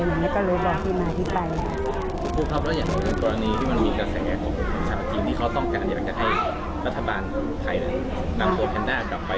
คุณครับแล้วอย่างตัวนี้ที่มันมีกระแสของผู้ชาติจริงที่เขาต้องการอยากจะให้รัฐบาลไทยนำตัวแพลนด้ากลับไป